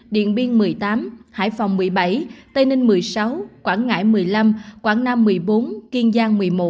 điện biên một mươi tám hải phòng một mươi bảy tây ninh một mươi sáu quảng ngãi một mươi năm quảng nam một mươi bốn kiên giang một mươi một